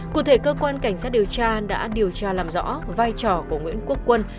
cụ thể cơ quan cảnh sát điều tra đã điều tra làm rõ vai trò của nguyễn quốc quân